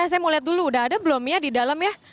saya mau lihat dulu udah ada belum ya di dalam ya